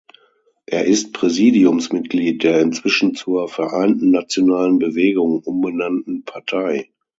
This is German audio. Er ist Präsidiumsmitglied der inzwischen zur "Vereinten Nationalen Bewegung" umbenannten Partei.